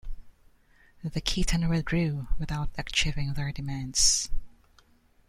The Khitan withdrew without achieving their demands.